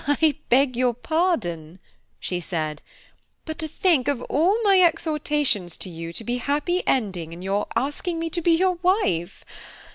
"I beg your pardon," she said, "but to think of all my exhortations to you to be happy ending in your asking me to be your wife!